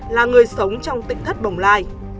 là người sống trong tỉnh thất bồng lai